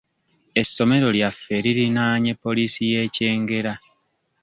Essomero lyaffe lirinaanye poliisi y'e Kyengera.